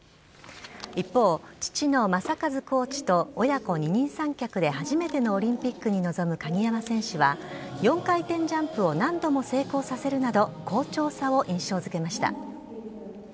一方、父の正和コーチと親子二人三脚で初めてのオリンピックに臨む鍵山選手は４回転ジャンプを何度も成功させるなど好調さを印象付けました。